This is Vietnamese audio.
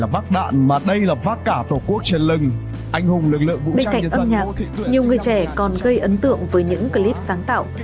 bên cạnh âm nhạc nhiều người trẻ còn gây ấn tượng với những clip sáng tạo